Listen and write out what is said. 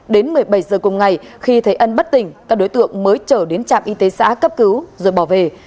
đến một mươi bảy giờ cùng ngày khi thấy ân bất tỉnh các đối tượng mới trở đến trạm y tế xã cấp cứu rồi bỏ về